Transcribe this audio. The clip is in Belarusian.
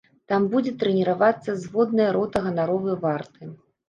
Там будзе трэніравацца зводная роты ганаровай варты.